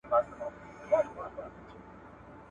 زلمي کلونه د زمان پر ګوتو ورغړېدل `